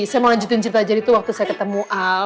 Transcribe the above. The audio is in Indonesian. saya mau lanjutin cerita jadi tuh waktu saya ketemu al